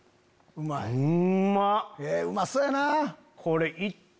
うまそうやな。